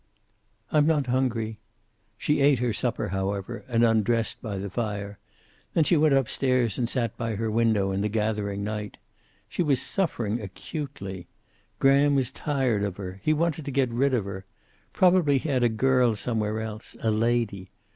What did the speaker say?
"I'm not hungry." She ate her supper, however, and undressed by the fire. Then she went up stairs and sat by her window in the gathering night. She was suffering acutely. Graham was tired of her. He wanted to get rid of her. Probably he had a girl somewhere else, a lady.